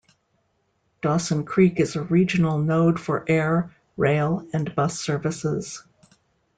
Dawson Creek is a regional node for air, rail, and bus services.